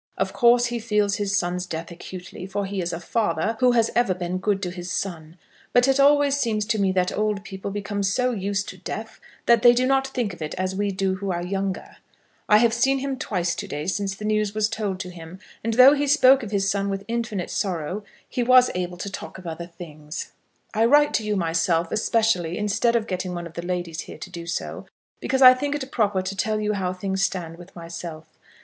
Of course he feels his son's death acutely; for he is a father who has ever been good to his son. But it always seems to me that old people become so used to death, that they do not think of it as do we who are younger. I have seen him twice to day since the news was told to him, and though he spoke of his son with infinite sorrow, he was able to talk of other things. I write to you myself, especially, instead of getting one of the ladies here to do so, because I think it proper to tell you how things stand with myself.